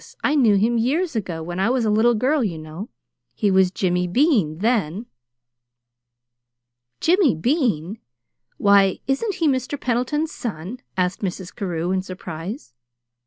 I knew him years ago when I was a little girl, you know. He was Jimmy Bean then." "Jimmy BEAN! Why, isn't he Mr. Pendleton's son?" asked Mrs. Carew, in surprise.